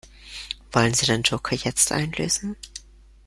Wollen Sie den Joker jetzt einlösen?